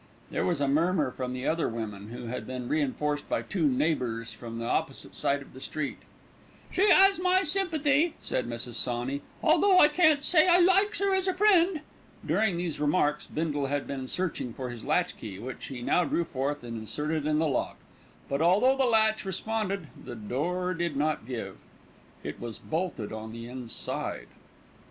There was a murmur from the other women, who had been reinforced by two neighbours from the opposite side of the street. "She 'as my sympathy," said Mrs. Sawney, "although I can't say I likes 'er as a friend." During these remarks, Bindle had been searching for his latch key, which he now drew forth and inserted in the lock; but, although the latch responded, the door did not give. It was bolted on the inside.